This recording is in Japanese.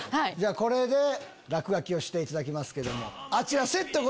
これで落書きをしていただきますけども。